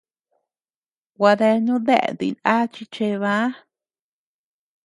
Gua deanu déa diná chi chebä.